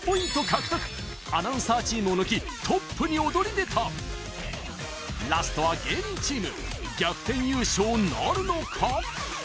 獲得アナウンサーチームを抜きトップに躍り出たラストは芸人チーム逆転優勝なるのか？